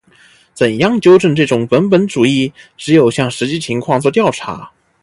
怎样纠正这种本本主义？只有向实际情况作调查。